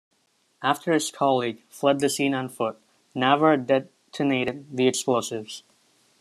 After his colleague fled the scene on foot, Nawar detonated the explosives.